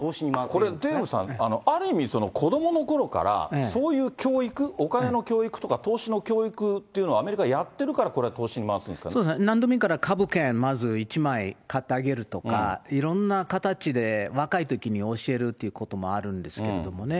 これデーブさん、ある意味、子どものころからそういう教育、お金の教育とか、投資の教育っていうのはアメリカ、やってるから、そうですね、なんでもいいから株券まず一枚買ってあげるとか、いろんな形で若いときに教えるってこともあるんですけどもね。